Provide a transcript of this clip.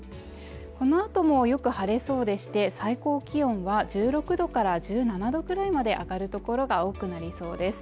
このあともよく晴れそうでして最高気温は１６度から１７度くらいまで上がるところが多くなりそうです。